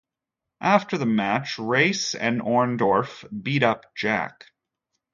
After the match, Race and Orndorff beat up Jack.